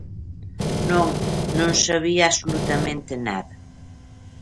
Non, non sabía absolutamente nada.